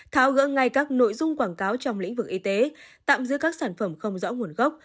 tháo gỡ ngay các nội dung quảng cáo trong lĩnh vực y tế tạm giữ các sản phẩm không rõ nguồn gốc